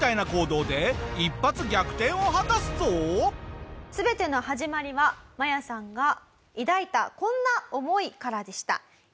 マヤさんの全ての始まりはマヤさんが抱いたこんな思いからでした。